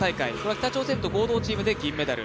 北朝鮮と合同チームで銀メダル。